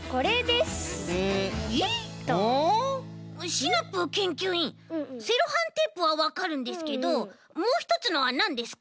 シナプーけんきゅういんセロハンテープはわかるんですけどもうひとつのはなんですか？